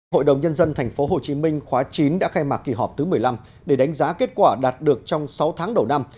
hội đồng nhân dân tp hcm khóa chín đã khai mạc kỳ họp thứ một mươi năm để đánh giá kết quả đạt được trong sáu tháng đầu năm